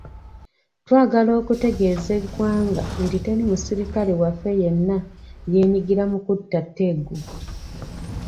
Twagala okutegeeza eggwanga nti teri musirikale waffe yenna yenyigira mu kutta Tegu.